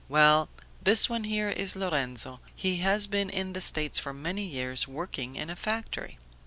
Well, this one here is Lorenzo. He has been in the States for many years, working in a factory."